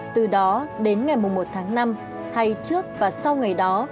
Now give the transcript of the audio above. từ đó đến ngày một tháng năm hay trước và sau ngày đó